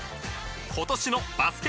今年のバスケ☆